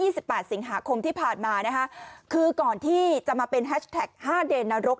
สิบแปดสิงหาคมที่ผ่านมานะคะคือก่อนที่จะมาเป็นแฮชแท็กห้าเดนนรก